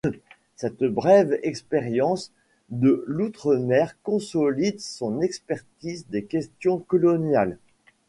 Cette brève expérience de l’outre-Mer consolide son expertise des questions coloniales.